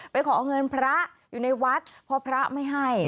ขอเงินพระอยู่ในวัดเพราะพระไม่ให้